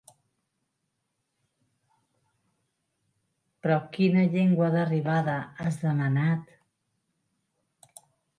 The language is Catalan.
Però quina llengua d'arribada has demanat.